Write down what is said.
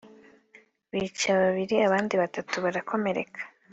bica babiri abandi batatu barakomereka